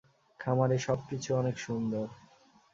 খামারে সবকিছু অনেক সুন্দর।